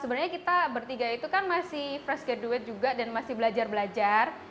sebenarnya kita bertiga itu kan masih fresh gaduet juga dan masih belajar belajar